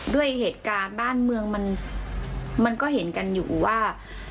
ด้วยเหตุการณ์บ้านเมืองมันก็เห็นกันอยู่ว่า